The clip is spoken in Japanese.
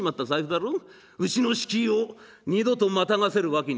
うちの敷居を二度とまたがせるわけにいかねえ」。